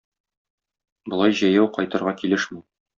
Болай җәяү кайтырга килешми.